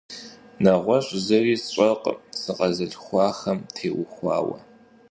НэгъуэщӀ зыри сщӀэркъым сыкъэзылъхуахэм теухуауэ.